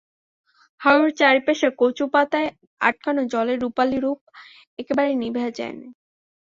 হারুর চারিপাশে কচুপাতায় আটকানো জলের রুপালি রূপ একেবারে নিভিয়া যায় নাই।